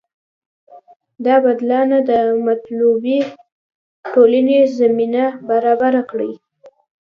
دا بدلانه د مطلوبې ټولنې زمینه برابره کړي.